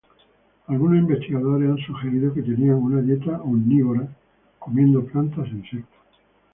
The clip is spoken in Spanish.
Algunos investigadores han sugerido que tenía una dieta omnívora, comiendo plantas e insectos.